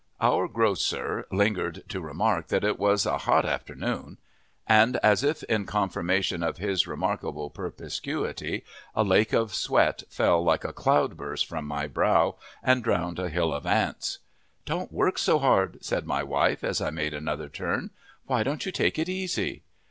Our grocer lingered to remark that it was a hot afternoon, and as if in confirmation of his remarkable perspicuity a lake of sweat fell like a cloudburst from my brow and drowned a hill of ants. "Don't work so hard," said my wife, as I made another turn. "Why don't you take it easy?"